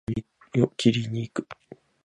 美容院へ髪を切りに行く